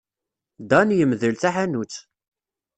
Dan yemdel taḥanut.